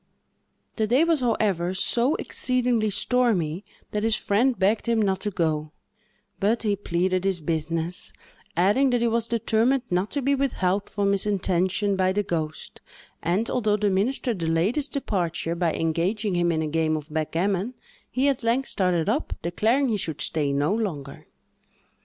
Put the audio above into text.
The day was, however, so exceedingly stormy, that his friend begged him not to go; but he pleaded his business, adding that he was determined not to be withheld from his intention by the ghost, and, although the minister delayed his departure, by engaging him in a game of backgammon, he at length started up, declaring he could stay no longer.